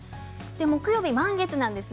木曜日、満月です。